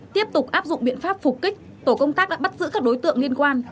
tiếp tục áp dụng biện pháp phục kích tổ công tác đã bắt giữ các đối tượng liên quan